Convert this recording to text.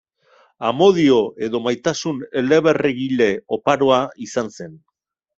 Amodio edo maitasun eleberrigile oparoa izan zen.